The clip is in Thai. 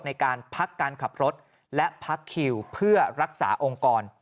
ในการพักการขับรถและพักคิวเพื่อรักษาองค์กร